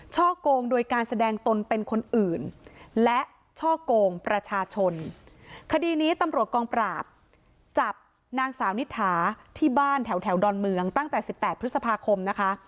ช่อกงโดยการแสดงตนเป็นคนอื่นและช่อกงประชาชนคดีนี้ตำรวจกองปราบจับนางสาวนิถาที่บ้านแถวแถวดอนเมืองตั้งแต่สิบแปดพฤษภาคมนะคะ